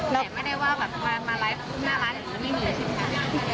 แต่ไม่ได้ว่ามาไลฟ์ขึ้นหน้าร้านแล้วไม่มีสินค้า